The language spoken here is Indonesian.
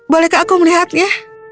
bolehkah aku melihatnya